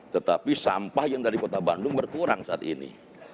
tetapi sampah yang dari kota bandung berkurang saat ini